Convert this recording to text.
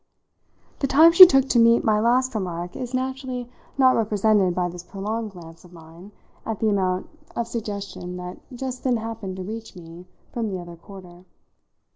The time she took to meet my last remark is naturally not represented by this prolonged glance of mine at the amount of suggestion that just then happened to reach me from the other quarter.